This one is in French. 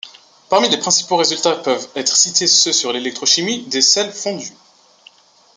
Parmi les principaux résultats peuvent être cités ceux sur l'électrochimie des sels fondus.